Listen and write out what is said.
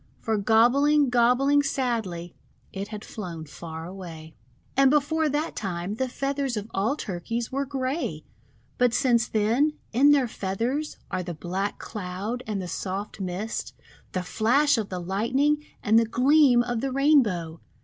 For gob bling, gobbling sadly, it had flown far away. And before that time the feathers of all Tur keys were grey. But since then, in their feathers are the black Cloud and the soft Mist, the flash of the Lightning, and the gleam of the Rainbow.